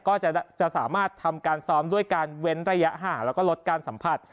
ก็จะสามารถทำการซ้อมด้วยการเว้นระยะห่างแล้วก็ลดการสัมผัส